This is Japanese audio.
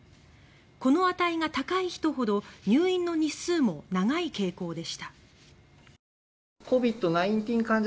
この値が高い人ほど入院の日数も長い傾向でした。